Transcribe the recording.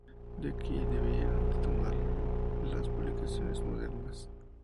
De aquí debieron de tomarlo las publicaciones modernas.